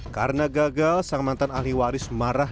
karena gagal sang mantan ahli waris marah